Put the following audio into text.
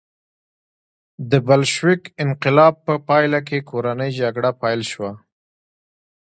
د بلشویک انقلاب په پایله کې کورنۍ جګړه پیل شوه.